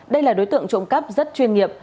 đây là đối tượng trộm cắp rất chuyên nghiệp